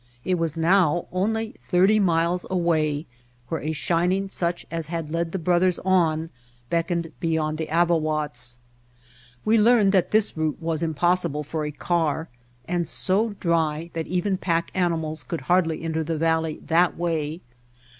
It was now only thirty miles away where a shin ing such as had led the brothers on beckoned be yond the Avawatz. We learned that this route was impossible for a car, and so dry that even pack animals could hardly enter the valley that way.